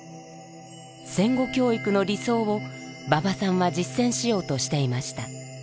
戦後教育の理想を馬場さんは実践しようとしていました。